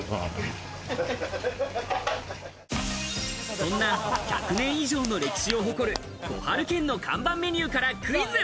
そんな１００年以上の歴史を誇る小春軒の看板メニューからクイズ。